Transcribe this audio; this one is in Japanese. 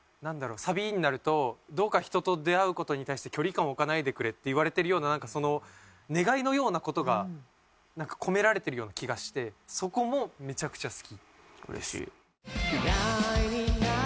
サビになるとどうか人と出会う事に対して距離感を置かないでくれって言われてるようななんか願いのような事が込められてるような気がしてそこもめちゃくちゃ好き。